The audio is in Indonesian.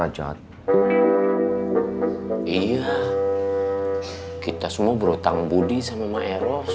iya kita semua berhutang budi sama mbak eros